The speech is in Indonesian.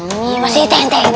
ini masih tenteng